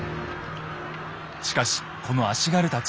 しかしこの足軽たち。